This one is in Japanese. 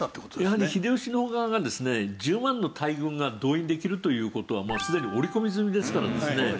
やはり秀吉の側がですね１０万の大軍が動員できるという事はすでに織り込み済みでしたからですね。